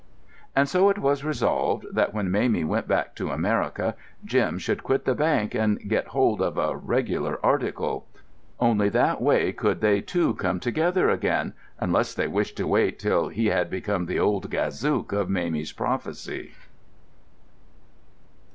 And so it was resolved that, when Mamie went back to America, Jim should quit the bank and get hold of a "regular article." Only that way could they two come together again, unless they wished to wait till he had become the "old Gazook" of Mamie's prophecy.